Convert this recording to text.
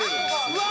うわ！